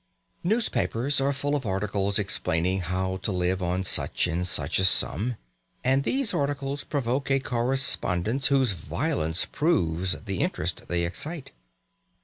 Newspapers are full of articles explaining how to live on such and such a sum, and these articles provoke a correspondence whose violence proves the interest they excite.